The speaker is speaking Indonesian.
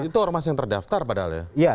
itu ormas yang terdaftar padahal ya